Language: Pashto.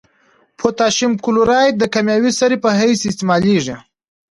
پوتاشیم کلورایډ د کیمیاوي سرې په حیث استعمالیږي.